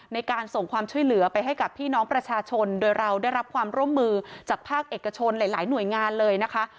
ในการส่งความช่วยเหลือไปให้กับพี่น้องประชาชนโดยเราได้รับความร่วมมือจากภาคเอกชนหลายหน่วยงานเลยนะคะ